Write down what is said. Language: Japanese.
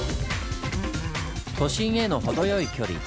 都心へのほどよい距離。